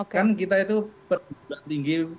kan kita itu perguruan tinggi